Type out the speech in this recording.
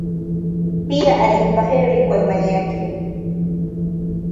Pia alimpa heri kwa imani yake.